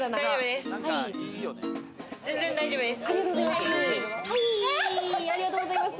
全然大丈夫です。